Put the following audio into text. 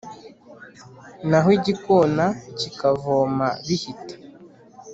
naho igikona kikavoma bihita.